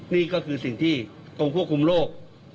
นี่ก็คือสิ่งที่กรมควบคุมโรค